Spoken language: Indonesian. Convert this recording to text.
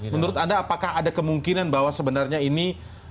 menurut anda apakah ada kemungkinan bahwa sebenarnya ini